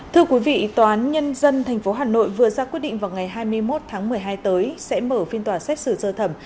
thưa quý vị tòa án nhân dân tp hà nội vừa ra quyết định vào ngày hai mươi một tháng một mươi hai tới sẽ mở phiên tòa xét xử sơ thẩm